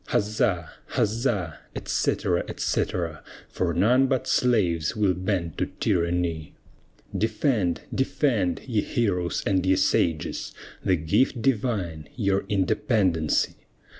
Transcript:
Huzza! huzza! etc., etc. For none but slaves will bend to tyranny. Defend, defend, ye heroes and ye sages, The gift divine your independency!